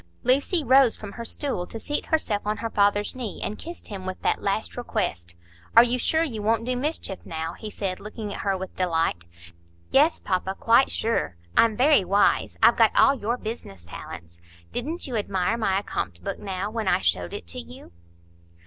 Lucy rose from her stool to seat herself on her father's knee, and kissed him with that last request. "Are you sure you won't do mischief, now?" he said, looking at her with delight. "Yes, papa, quite sure. I'm very wise; I've got all your business talents. Didn't you admire my accompt book, now, when I showed it you?"